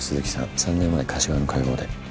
３年前柏の会合で。